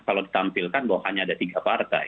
kalau ditampilkan bahwa hanya ada tiga partai